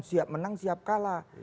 siap menang siap kalah